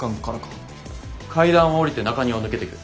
階段を下りて中庭を抜けてく。